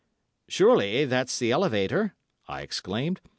"Surely, that's the elevator," I exclaimed.